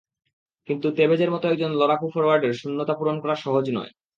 কিন্তু তেভেজের মতো একজন লড়াকু ফরোয়ার্ডের শূন্যতা পূরণ করা সহজ নয়।